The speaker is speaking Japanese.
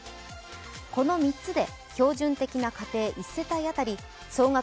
この３つで標準的な家庭１世帯当たり総額